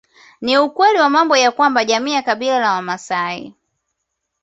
Ni ukweli wa mambo ya kwamba jamii ya kabila la maasai